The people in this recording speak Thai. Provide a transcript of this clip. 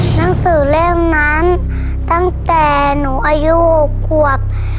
หนังสือเล่มนั้นตั้งแต่หนูอายุขวบ